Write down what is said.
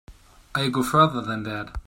I'll go further than that.